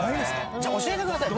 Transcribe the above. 「じゃあ教えてください。